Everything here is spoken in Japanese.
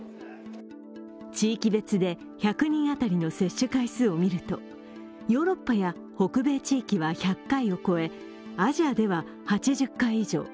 地域別で１００人当たりの接種回数を見るとヨーロッパや北米地域では１００回を超え、アジアでは８０回以上。